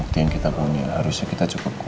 gak mau besok aja